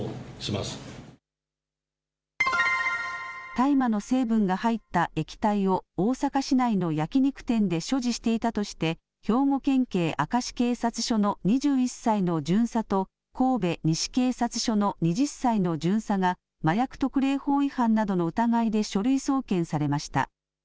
大麻の成分が入った液体を大阪市内の焼き肉店で所持していたとして、兵庫県警明石警察署の２１歳の巡査と、神戸西警察署の２０歳の巡査が、麻薬特例法違反などの疑いで書類送検されました。